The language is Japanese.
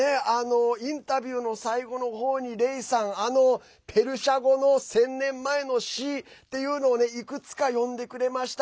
インタビューの最後の方にレイさんペルシャ語の１０００年前の詩をいくつか読んでくれました。